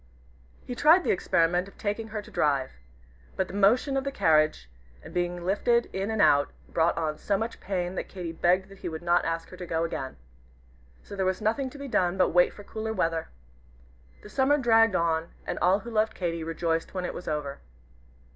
He tried the experiment of taking her to drive. But the motion of the carriage, and the being lifted in and out, brought on so much pain, that Katy begged that he would not ask her to go again. So there was nothing to be done but wait for cooler weather. The summer dragged on, and all who loved Katy rejoiced when it was over.